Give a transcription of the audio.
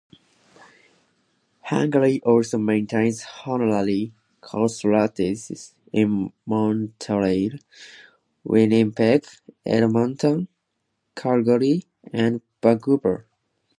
Hungary also maintains Honorary Consulates in Montreal, Winnipeg, Edmonton, Calgary, and Vancouver.